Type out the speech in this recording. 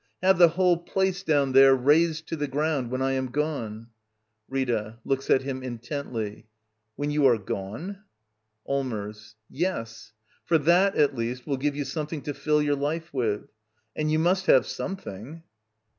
lave the whole place down there razed to the ground— ^ when I am gone. Rita. [Looks at him intently.] When you are gone? Allmers. Yes. For that, at least, will give you something to fill your life with. And you must have something.